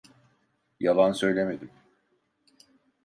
Yalan söylemedim.